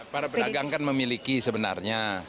para pedagang kan memiliki sebenarnya